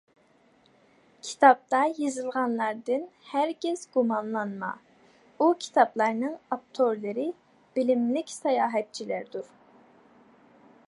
كىتابتا يېزىلغانلاردىن ھەرگىز گۇمانلانما، ئۇ كىتابلارنىڭ ئاپتورلىرى بىلىملىك ساياھەتچىلەردۇر.